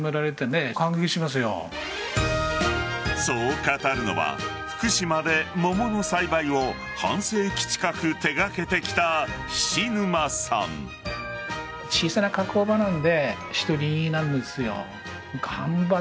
そう語るのは福島で桃の栽培を半世紀近く手掛けてきた菱沼さん。